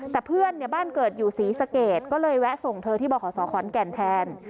แต่เพื่อนเนี่ยบ้านเกิดอยู่ศรีสะเกดก็เลยแวะส่งเธอที่บขศขอนแก่นแทน